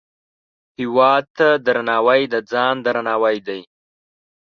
هیواد ته درناوی، د ځان درناوی دی